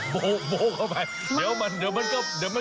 โบกเข้าไปเดี๋ยวมันก็บนขึ้นอย่างไร